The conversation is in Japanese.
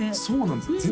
そうなんです